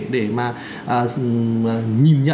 để mà nhìn nhận được cái tính logic